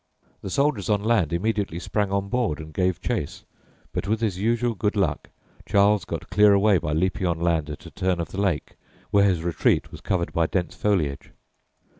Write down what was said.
The soldiers on land immediately sprang on board and gave chase; but with his usual good luck Charles got clear away by leaping on land at a turn of the lake, where his retreat was covered by dense foliage.